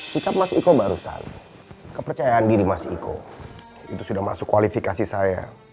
kita mas iko barusan kepercayaan diri mas iko itu sudah masuk kualifikasi saya